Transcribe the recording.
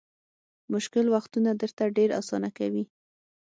مشکل وختونه درته ډېر اسانه کوي.